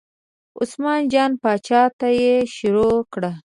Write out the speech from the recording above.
عثمان جان پاچا ته یې شروع کړه.